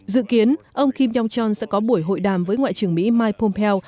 dự kiến ông kim jong chon sẽ có buổi hội đàm với ngoại trưởng mỹ mike pompeo